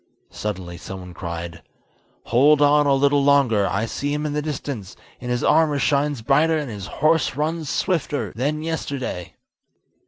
Suddenly someone cried: "Hold on a little longer, I see him in the distance; and his armour shines brighter, and his horse runs swifter, than yesterday."